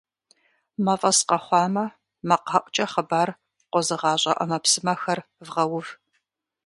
Мафӏэс къэхъуамэ, макъгъэӏукӏэ хъыбар къозыгъащӏэ ӏэмэпсымэхэр вгъэув! .